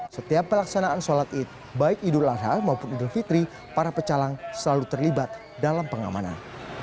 setiap pelaksanaan sholat id baik idul adha maupun idul fitri para pecalang selalu terlibat dalam pengamanan